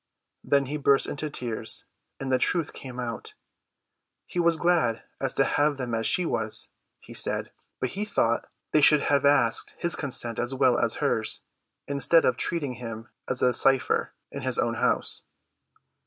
Then he burst into tears, and the truth came out. He was as glad to have them as she was, he said, but he thought they should have asked his consent as well as hers, instead of treating him as a cypher in his own house.